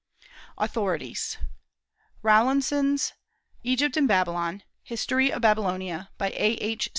AUTHORITIES. Rawlinson's Egypt and Babylon; History of Babylonia, by A.H.